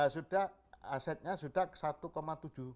sudah asetnya sudah satu tujuh m